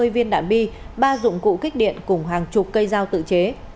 hai mươi viên đạn bi ba dụng cụ kích điện cùng hàng chục cây dao tự chế